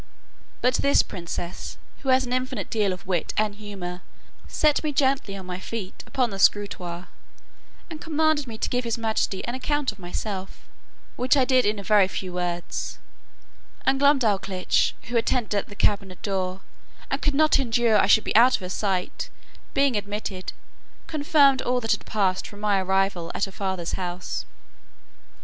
But this princess, who has an infinite deal of wit and humour, set me gently on my feet upon the scrutoire, and commanded me to give his majesty an account of myself, which I did in a very few words: and Glumdalclitch who attended at the cabinet door, and could not endure I should be out of her sight, being admitted, confirmed all that had passed from my arrival at her father's house.